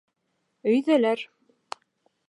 Өйҙәләр!